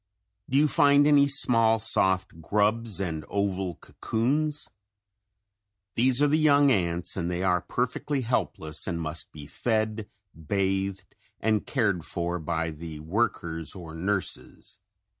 Do you find any small soft grubs and oval cocoons? These are the young ants and they are perfectly helpless and must be fed, bathed and cared for by the workers or nurses.